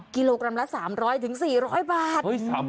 กิโลกรัมละ๓๐๐๔๐๐บาท